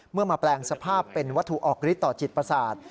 มาแปลงสภาพเป็นวัตถุออกฤทธิต่อจิตประสาท